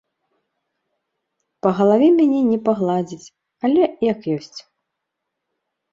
Па галаве мяне не пагладзяць, але як ёсць.